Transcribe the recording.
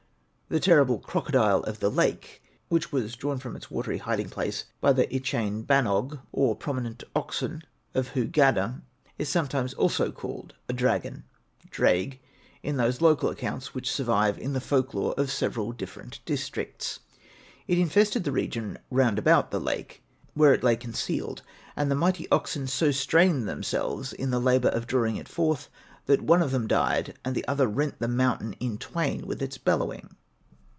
The terrible Crocodile of the Lake, which was drawn from its watery hiding place by the Ychain Banog, or Prominent Oxen of Hu Gadarn, is also sometimes called a dragon (draig) in those local accounts which survive in the folk lore of several different districts. It infested the region round about the lake where it lay concealed, and the mighty oxen so strained themselves in the labour of drawing it forth that one of them died and the other rent the mountain in twain with his bellowing.